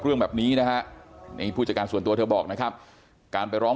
เรื่องแบบนี้นะฮะนี่ผู้จัดการส่วนตัวเธอบอกนะครับการไปร้อง